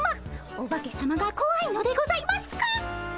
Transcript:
オバケさまがこわいのでございますか？